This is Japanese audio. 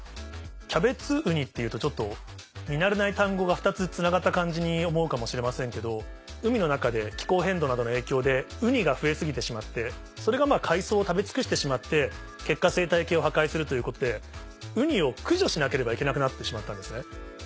キャベツウニっていうとちょっと見慣れない単語が２つつながった感じに思うかもしれませんけど海の中で気候変動などの影響でウニが増え過ぎてしまってそれが海藻を食べ尽くしてしまって結果生態系を破壊するということでウニを駆除しなければいけなくなってしまったんですね。